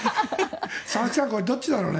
佐々木さんどっちだろうね。